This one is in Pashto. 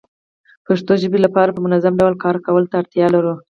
پښتو ژبې لپاره په منظمه ډول کار کولو ته اړتيا لرو